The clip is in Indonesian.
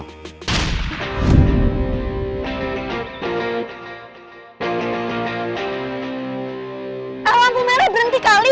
kalo ampun mere berhenti kali